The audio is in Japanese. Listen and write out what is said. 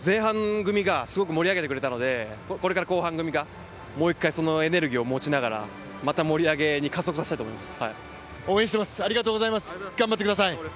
前半組が盛り上げてくれたので、これから後半組がもう一回エネルギーを持ちながら、また盛り上げに加速したいと思います。